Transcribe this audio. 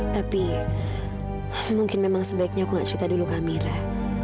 tapi mungkin memang sebaiknya aku nggak cerita dulu ke amira